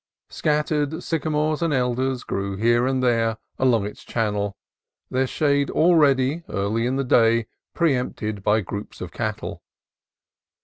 Scattered syca mores and elders grew here and there along its chan nel, their shade already, early in the day, preempted by groups of cattle.